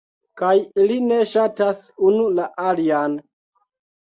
kaj ili ne ŝatas unu la alian